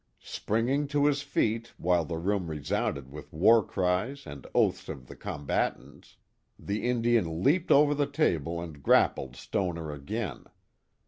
Springing to his feet while the «4 I 210 The Mohawk Valley room resounded with war cries and oaths of the combatants^ Indian leaped over ihe table and grappled Stoner again.